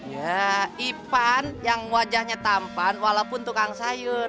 ya ipan yang wajahnya tampan walaupun tukang sayur